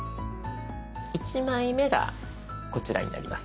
１枚目がこちらになります。